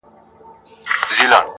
څه ته مي زړه نه غواړي.